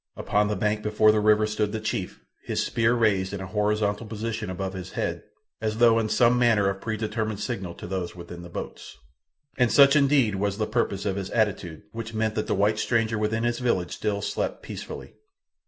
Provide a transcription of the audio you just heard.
Upon the bank before the river stood the chief, his spear raised in a horizontal position above his head, as though in some manner of predetermined signal to those within the boats. And such indeed was the purpose of his attitude—which meant that the white stranger within his village still slept peacefully.